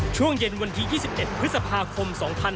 ช่วงเย็นวันที่๒๑พฤษภาคม๒๕๖๒